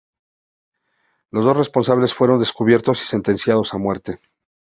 Los dos responsables fueron descubiertos y sentenciados a muerte.